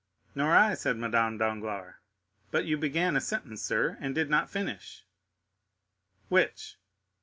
"Nor I," said Madame Danglars; "but you began a sentence, sir, and did not finish." "Which?"